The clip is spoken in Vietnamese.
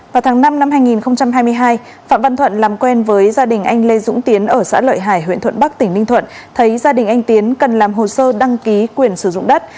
vào tháng năm năm hai nghìn hai mươi hai phạm văn thuận làm quen với gia đình anh lê dũng tiến ở xã lợi hải huyện thuận bắc tỉnh ninh thuận thấy gia đình anh tiến cần làm hồ sơ đăng ký quyền sử dụng đất